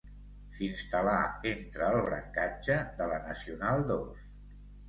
S'instal·la entre el brancatge de la nacional dos.